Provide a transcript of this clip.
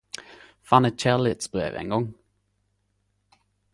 Fann eit kjærlighetsbrev ein gong!